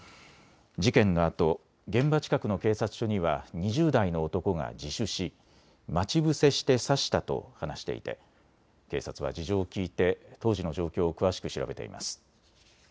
事件のあと現場近くの警察署には２０代の男が自首し待ち伏せして刺したと話していて警察は事情を聞いて当時の状況を詳しく調べています。